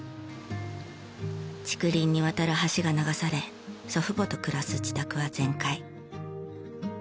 竹林に渡る橋が流され祖父母と暮らす自宅は全壊。